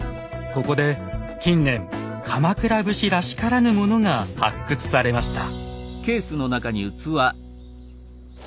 ここで近年鎌倉武士らしからぬものが発掘されました。